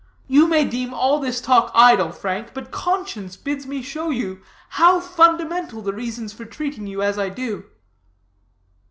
You may deem all this talk idle, Frank; but conscience bids me show you how fundamental the reasons for treating you as I do."